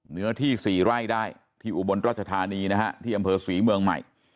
เนื้อที่๔ไร่ได้ที่อุบลราชธานีนะฮะที่อำเภอศรีเมืองใหม่